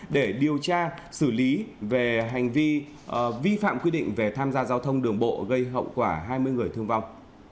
để điều tra xử lý về hành vi vi phạm quy định về tham gia giao thông đường bộ gây hậu quả hai mươi người thương vong